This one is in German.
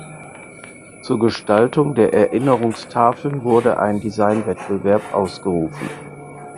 Zur Gestaltung der Erinnerungstafeln wurde ein Designwettbewerb ausgerufen.